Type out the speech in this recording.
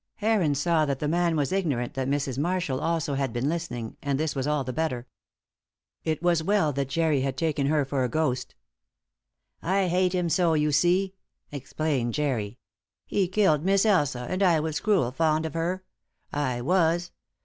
Heron saw that the man was ignorant that Mrs. Marshall also had been listening; and this was all the better. It was as well that Jerry had taken her for a ghost. "I hate him so, you see," explained Jerry. "He killed Miss Elsa, and I was cruel fond of her, I was.